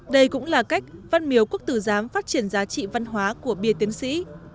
đây cũng là cách văn miếu quốc tử giám phát triển giá trị văn hóa của bia tiến sĩ